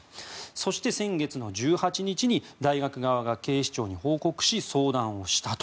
そして、先月１８日に大学側が警視庁に報告し相談をしたと。